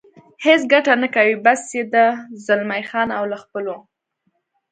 هېڅ ګټه نه کوي، بس یې ده، زلمی خان او له خپلو.